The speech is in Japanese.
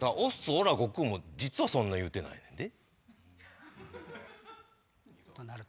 おら悟空」も実はそんな言うてないねんで。